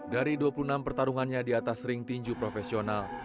dari dua puluh enam pertarungannya di atas ring tinju profesional